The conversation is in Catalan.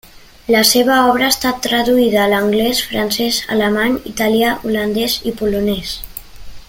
La seva obra ha estat traduïda a l'anglès, francès, alemany, italià, holandès i polonès.